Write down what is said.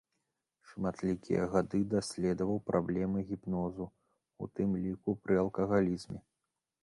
Шматлікія гады даследаваў праблемы гіпнозу, у тым ліку пры алкагалізме.